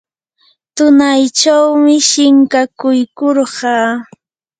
tunaychawmi shinkakuykurqaa.